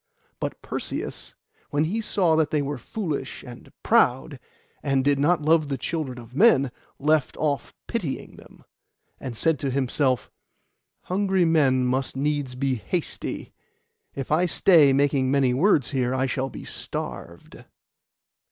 But Perseus, when he saw that they were foolish and proud, and did not love the children of men, left off pitying them, and said to himself, 'Hungry men must needs be hasty; if I stay making many words here, I shall be starved.